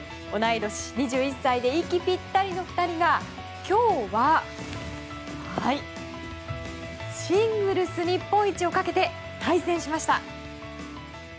同い年、２１歳で息ぴったりの２人が今日はシングルス日本一をかけて対戦しました。